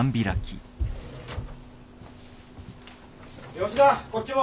吉田こっちも。